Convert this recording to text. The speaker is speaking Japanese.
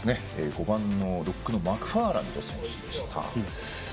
５番のロックのマクファーランド選手でした。